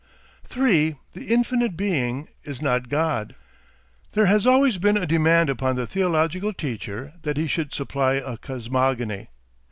... 3. THE INFINITE BEING IS NOT GOD There has always been a demand upon the theological teacher that he should supply a cosmogony.